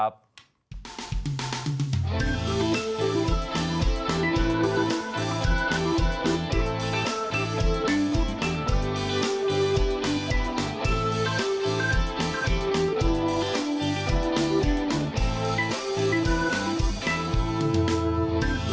สวัสดีครับ